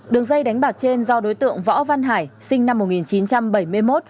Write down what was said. đường dây đánh bạc trên do đối tượng võ văn hải sinh năm một nghìn chín trăm bảy mươi một